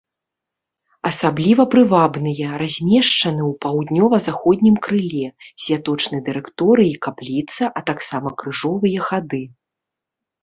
Асабліва прывабныя, размешчаны ў паўднёва-заходнім крыле, святочны дырэкторый і капліца, а таксама крыжовыя хады.